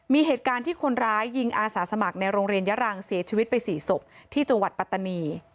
มีเหตุการณ์ที่คนร้ายยิงอาสาสมัครในโรงเรียนยะรังเสียชีวิตไป๔ศพที่จังหวัดปัตตานี